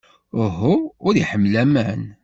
Uhu. Ur iḥemmel aman!